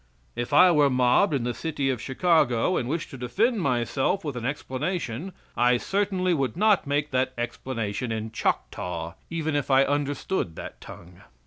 If I were mobbed in the city of Chicago, and wished to defend myself with an explanation, I certainly would not make that explanation in Chocktaw, even if I understood that tongue.